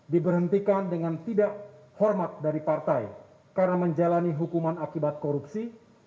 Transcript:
diberhentikan dengan tidak hormat dari partai karena menjalani hukuman akibat korupsi